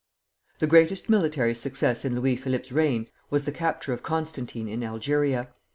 The greatest military success in Louis Philippe's reign was the capture of Constantine in Algeria.